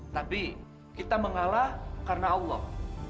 tapi kita mengalah karena allah